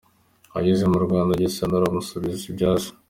Ageze mu Rwanda, Gisanura amusubiza ibya se.